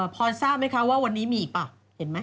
ทราบไหมคะว่าวันนี้มีอีกป่ะเห็นไหม